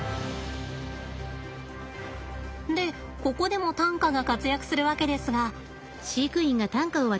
でここでも担架が活躍するわけですが。